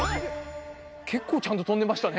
結構、ちゃんと跳んでましたね。